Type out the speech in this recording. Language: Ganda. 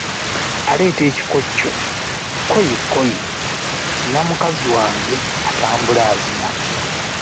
Aleeta ekikoco: Kkoyi, kkoyi, nnina mukazi wange atambula azina.